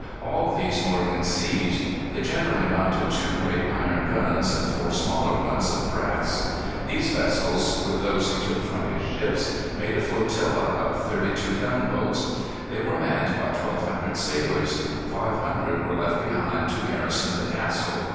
All these Morgan seized. They generally mounted two great iron guns and four smaller ones of brass. These vessels, with those he took from his ships, made a flotilla of thirty two gunboats. They were manned by twelve hundred sailors. Five hundred were left behind to garrison the castle.